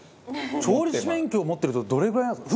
調理師免許を持ってるとどれぐらいなんですか？